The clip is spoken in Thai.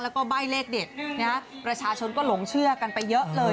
แล้วก็ใบ้เลขเด็ดนะฮะประชาชนก็หลงเชื่อกันไปเยอะเลย